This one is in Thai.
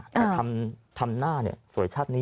แต่ทำหน้าสวยชาตินี้